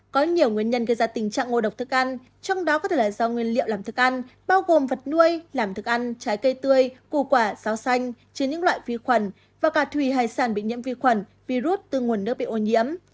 có nhiều nguyên nhân gây ra tình trạng ngộ độc thức ăn trong đó có thể là do nguyên liệu làm thức ăn bao gồm vật nuôi làm thức ăn trái cây tươi củ quả sáo xanh trên những loại vi khuẩn và cả thủy hải sản bị nhiễm vi khuẩn virus từ nguồn nước bị ô nhiễm